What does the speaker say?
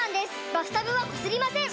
バスタブはこすりません！